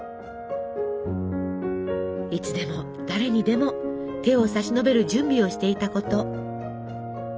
いつでも誰にでも手を差し伸べる準備をしていたこと。